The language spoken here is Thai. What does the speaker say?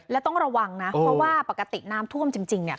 และต้องระวังนะเพราะว่าปกติน้ำท่วมจริงเนี่ย